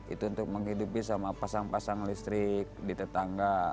itu untuk menghidupi sama pasang pasang listrik di tetangga